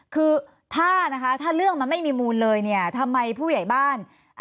คือถ้าเรื่องมันไม่มีมูลเลยทำไมผู้ใหญ่บ้าน